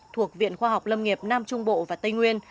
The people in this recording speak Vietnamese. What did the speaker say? thuộc viện khoa học lâm nghiệp nam trung bộ và tây nguyên